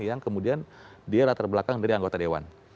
yang kemudian dia latar belakang dari anggota dewan